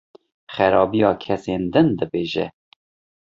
Xerabiya kesên din dibêje.